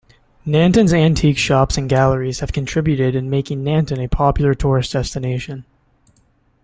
Nanton's antique shops and galleries have contributed in making Nanton a popular tourist destination.